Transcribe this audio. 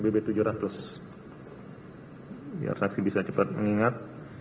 biar saksi bisa cepat mengingat